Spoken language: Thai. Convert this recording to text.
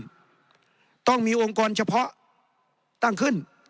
คุณต้องมีองค์กรเฉพาะในประเทศตั้งขึ้น